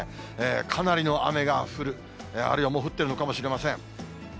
かなりの雨が降る、あるいはもう降っているのかもしれません。